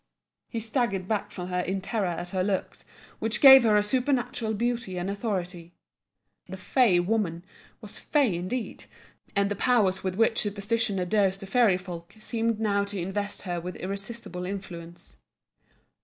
He staggered back from her in terror at her looks, which gave her a supernatural beauty and authority. The "fey" woman was "fey" indeed! and the powers with which superstition endows the fairy folk seemed now to invest her with irresistible influence.